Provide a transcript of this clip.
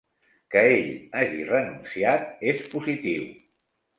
Que ell hagi renunciat és positiu.